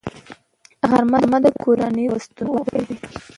غرمه د کورنیو پیوستون وده کوي